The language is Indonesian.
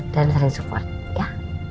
dan saling support ya